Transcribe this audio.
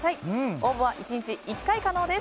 応募は１日１回可能です。